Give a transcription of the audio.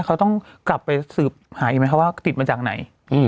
เขาต้องกลับไปสืบหาอีกไหมคะว่าติดมาจากไหน